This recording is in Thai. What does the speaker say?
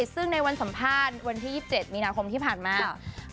ซึ่งในวันสัมภาษณ์วันที่๒๗มีนาคมที่ผ่านมา